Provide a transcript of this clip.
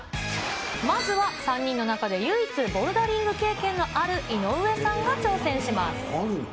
まずは３人の中で唯一、ボルダリング経験のある井上さんが挑戦します。